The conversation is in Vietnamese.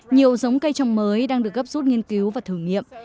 nhiều giống cây trồng mới đang được gấp rút nghiên cứu và thử nghiệm